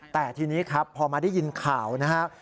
แต่ทีนี้ครับพอมาได้ยินข่าวนะครับ